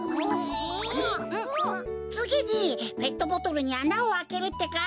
つぎにペットボトルにあなをあけるってか。